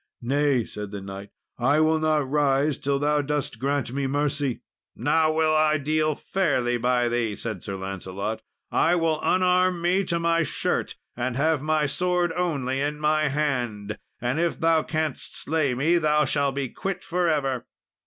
"Nay," said the knight, "I will not rise till thou dost grant me mercy." "Now will I deal fairly by thee," said Sir Lancelot; "I will unarm me to my shirt, and have my sword only in my hand, and if thou canst slay me thou shall be quit for ever."